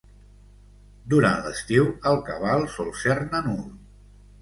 Durant l'estiu el cabal sol ser-ne nul.